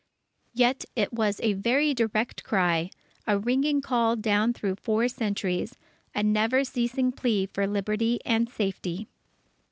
Yet it was a very direct cry, a ringing call down through four centuries, a never ceasing plea for Liberty and safety.